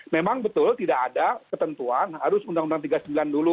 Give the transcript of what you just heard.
memang betul tidak ada ketentuan harus undang undang tiga puluh sembilan dulu